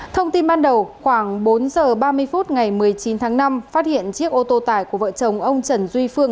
thông tin ban đầu khoảng bốn giờ ba mươi phút ngày một mươi chín tháng năm phát hiện chiếc ô tô tải của vợ chồng ông trần duy phương